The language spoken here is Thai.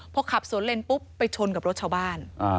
พอขับสวนเลนปุ๊บไปชนกับรถชาวบ้าน